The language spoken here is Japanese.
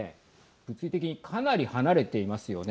物理的にかなり離れていますよね。